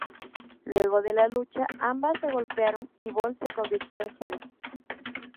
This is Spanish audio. Luego de la lucha ambas se golpearon y Bolt se convirtió en heel.